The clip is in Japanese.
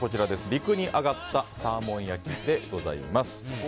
陸にあがったサーモン焼きでございます。